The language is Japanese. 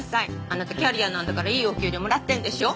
あなたキャリアなんだからいいお給料もらってるんでしょ？